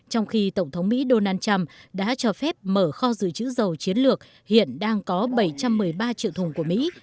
trong khi tổng thống mỹ donald trump đã cho phép mở kho dự trữ dầu chiến lược hiện đang có bảy trăm một mươi ba triệu thùng của mỹ